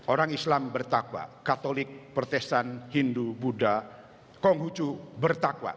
orang islam bertakwa katolik pertesan hindu buddha konghucu bertakwa